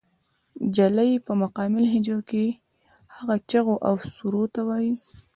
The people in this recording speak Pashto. جلۍ پۀ مقامي لهجه کښې هغه چغو او سُورو ته وائي